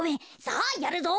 さあやるぞ。